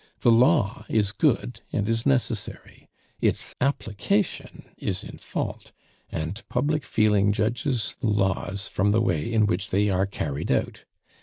The law is good, and is necessary; its application is in fault, and public feeling judges the laws from the way in which they are carried out.